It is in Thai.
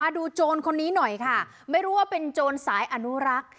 โจรคนนี้หน่อยค่ะไม่รู้ว่าเป็นโจรสายอนุรักษ์